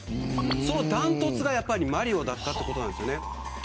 その断トツがやっぱりマリオだったということです。